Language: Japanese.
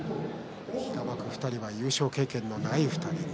平幕２人は優勝経験のない２人です。